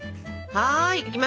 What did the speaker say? はい！